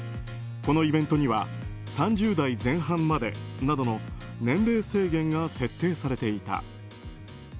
このイベントには３０代前半までなどの年齢制限が設定されていた。